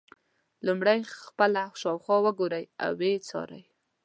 لومړی خپله شاوخوا وګورئ او ویې څارئ.